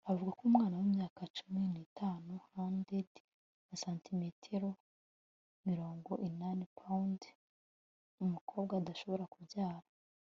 avuga ko umwana wimyaka cumi n'itatu hunded na santimetero mirongo inani pound umukobwa adashobora kubyara